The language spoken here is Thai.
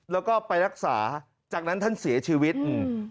แล้วก็ไปรักษาจากนั้นท่านเสียชีวิตอืม